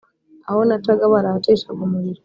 Aho nacaga barahacishaga umuriro.